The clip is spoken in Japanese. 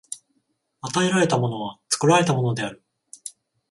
与えられたものは作られたものである。